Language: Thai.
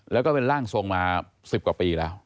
แล้วก็เป็นร่างทรงมา๑๐กว่าปีแล้ว